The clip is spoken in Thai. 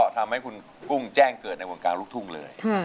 ทำให้คุณกุ้งแจ้งเกิดในวงการลูกทุ่งเลย